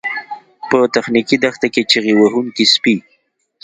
په تخنیکي دښته کې چیغې وهونکي سپي